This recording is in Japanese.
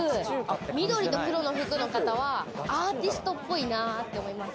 緑と黒の服の方はアーティストっぽいなと思います。